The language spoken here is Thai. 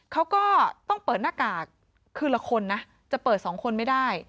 เขาก็ต้องเปิดหน้ากากคือละคนนะจะเปิดสองคนไม่ได้